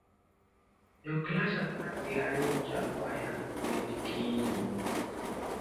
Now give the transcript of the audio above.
Jo class apar gi ariyo chako ayanga penj kiny